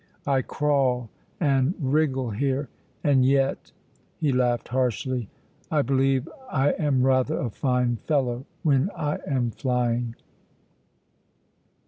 I crawl and wriggle here, and yet" he laughed harshly "I believe I am rather a fine fellow when I am flying!"